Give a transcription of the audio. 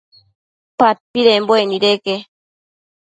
Padpidembuec nideque